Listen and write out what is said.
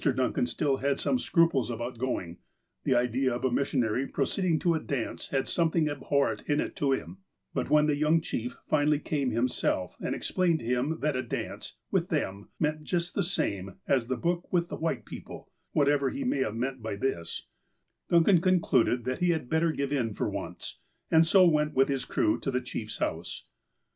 Duncan still had some scruples about going. The idea of a missionary proceeding to a dance had some thing abhorrent in it to him, but when the young chief finally came himself, and explained to him that a dance, with them, meant just the same as the Book with the white people (whatever he may have meant by this), Duncan concluded that he had better give in for once, and so went with his crew to the chief's house.